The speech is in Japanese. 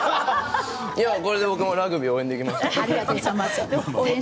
これで僕もラグビーを応援できます。